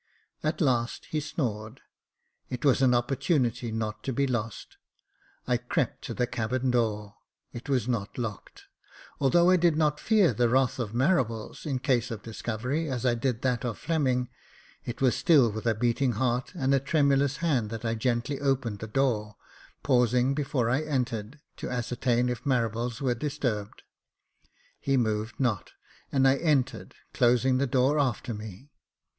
At last he snored. It was an opportunity not to be lost. I crept to the cabin door j it was not locked. Although I did not fear the wrath of Marables, in case of discovery, as I did that of Fleming, it was still with a beating heart and a tremulous hand that I gently opened the door, pausing before I entered, to ascertain if Marables were disturbed. He moved not, and I entered, closing the door after me.